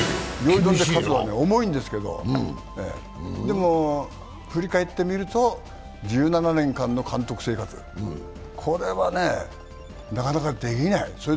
重いんですけどでも振り返ってみると１７年間の監督生活、これはね、なかなかできない。